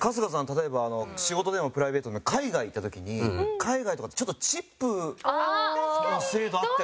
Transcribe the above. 例えば仕事でもプライベートでも海外行った時に海外とかってちょっとチップの制度あったりするじゃないですか。